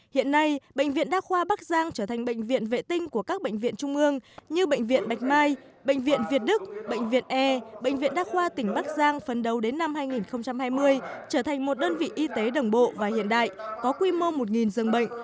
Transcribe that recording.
hiện nay bệnh viện đa khoa bắc giang trở thành bệnh viện vệ tinh của các bệnh viện trung ương như bệnh viện bạch mai bệnh viện việt đức bệnh viện e bệnh viện đa khoa tỉnh bắc giang phấn đấu đến năm hai nghìn hai mươi trở thành một đơn vị y tế đồng bộ và hiện đại có quy mô một dường bệnh